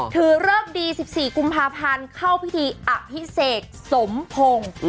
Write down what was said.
เริกดี๑๔กุมภาพันธ์เข้าพิธีอภิเษกสมพงศ์